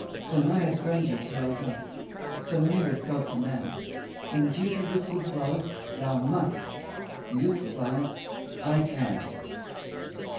So nigh is grandeur to our dust, So near is God to man, When duty whispers low, Thou must, The youth replies, I can.